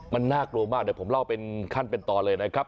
มันน่ากลัวมากเดี๋ยวผมเล่าเป็นขั้นเป็นตอนเลยนะครับ